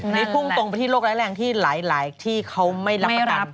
นี่คู่ตรงไปที่โรคแร้แรงที่หลายที่เขาไม่รับประกัน